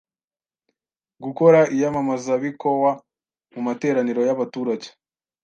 gukora iyamamazabikowa mu materaniro y’abaturage